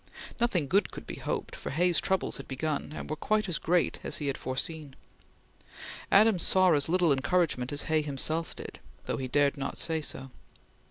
Nothing good could be hoped, for Hay's troubles had begun, and were quite as great as he had foreseen. Adams saw as little encouragement as Hay himself did, though he dared not say so.